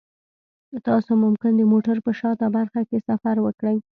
تاسو ممکن د موټر په شاته برخه کې سفر وکړئ